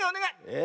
え？